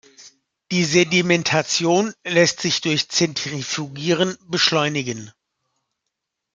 Die Sedimentation lässt sich durch Zentrifugieren beschleunigen.